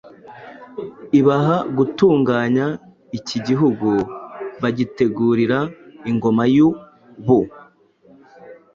Ibaha gutunganya iki gihugu, Bagitegurira ingoma y'ubu.